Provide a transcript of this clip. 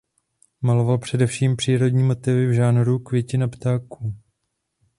Maloval především přírodní motivy v žánru „květin a ptáků“.